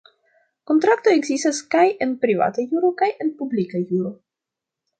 Kontraktoj ekzistas kaj en privata juro kaj en publika juro.